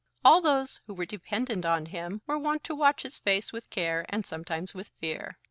All those who were dependent on him were wont to watch his face with care and sometimes with fear.